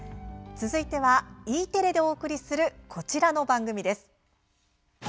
続いては、Ｅテレでお送りするこちらの番組です。